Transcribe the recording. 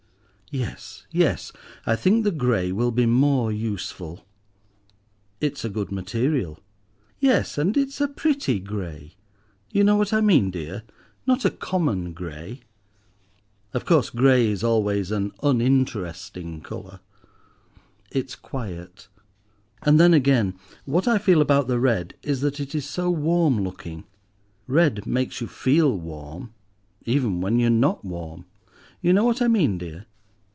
"Yes—yes, I think the grey will be more useful." "It's a good material." "Yes, and it's a pretty grey. You know what I mean, dear; not a common grey. Of course grey is always an uninteresting colour." "It's quiet." "And then again, what I feel about the red is that it is so warm looking. Red makes you feel warm even when you're not warm. You know what I mean, dear!"